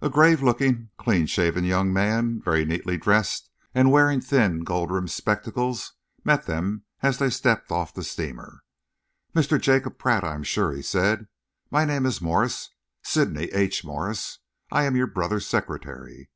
A grave looking, clean shaven young man, very neatly dressed and wearing thin, gold rimmed spectacles, met them as they stepped off the steamer. "Mr. Jacob Pratt, I am sure?" he said. "My name is Morse Sydney H. Morse. I am your brother's secretary."